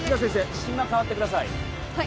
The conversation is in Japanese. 心マ代わってください